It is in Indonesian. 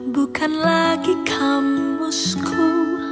bukan lagi kamusku